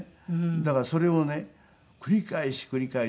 だからそれをね繰り返し繰り返しやりましたよね。